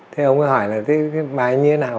thế ông ấy hỏi là cái bài ấy như thế nào